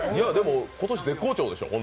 今年絶好調でしょう？